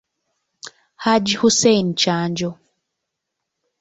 Hajji Hussein Kyanjo.